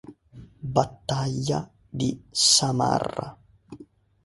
Battaglia di Samarra